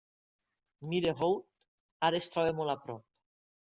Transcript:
Millais Road ara es troba molt a prop.